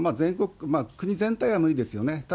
国全体は無理ですよね。